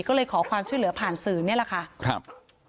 ก็เลยขอความช่วยเหลือผ่านสื่อนี่แหละค่ะครับ